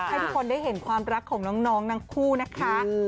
ให้ทุกคนได้เห็นความรักของน้องนะครับ